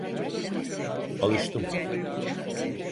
Alıştım.